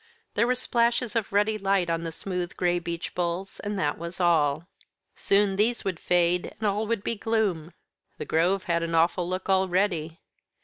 There were splashes of ruddy light on the smooth gray beech boles, and that was all. Soon these would fade, and all would be gloom. The grove had an awful look already.